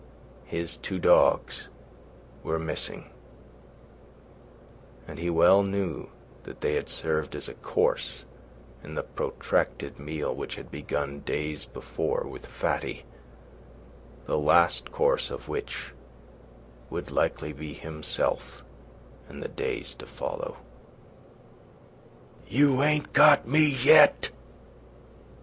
His two dogs were missing, and he well knew that they had served as a course in the protracted meal which had begun days before with Fatty, the last course of which would likely be himself in the days to follow. "You ain't got me yet!"